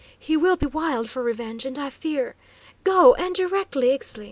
"He will be wild for revenge, and I fear Go, and directly, Ixtli!"